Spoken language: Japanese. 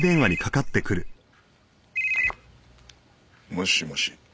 もしもし。